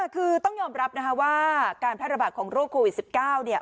คือต้องยอมรับว่าการพระราบาทของโรคโควิด๑๙